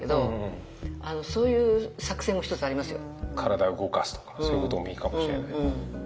体を動かすとかそういうこともいいかもしれない。